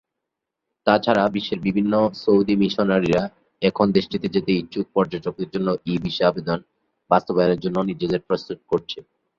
তাছাড়া, বিশ্বের বিভিন্ন সৌদি মিশনারিরা এখন দেশটিতে যেতে ইচ্ছুক পর্যটকদের জন্য ই-ভিসা আবেদন বাস্তবায়নের জন্য নিজেদের প্রস্তুত করছে।